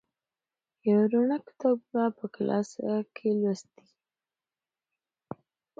یوه روڼه کتابونه په کلاسه کې لوستي.